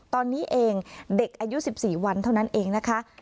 ตอนนี้เองเด็กอายุ๑๔วันเท่านั้นเองนะคะ